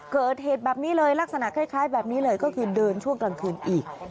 เกิดเหตุแบบนี้เลยลักษณะคล้ายแบบนี้เลยก็คือเดินช่วงกลางคืนอีก